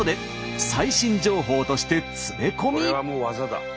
これはもう技だ。